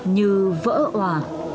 như vỡ hòa